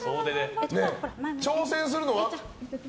挑戦するのは？